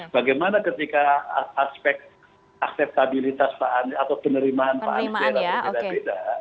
bagaimana ketika aspek akseptabilitas atau penerimaan pak anis berbeda beda